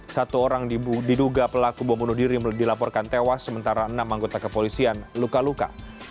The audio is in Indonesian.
satu orang diduga pelaku bom bunuh diri dilaporkan tewas sementara enam anggota kepolisian luka luka